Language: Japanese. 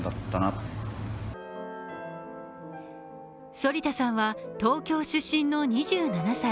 反田さんは東京出身の２７歳。